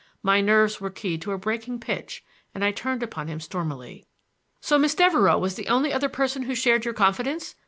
My nerves were keyed to a breaking pitch and I turned upon him stormily. "So Miss Devereux was the other person who shared your confidence!